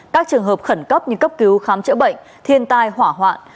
các trường hợp khẩn cấp như cấp cứu khám chữa bệnh thiên tai hỏa hoạn